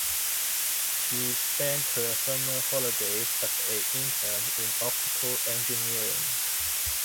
She spent her summer holidays as an intern in optical engineering.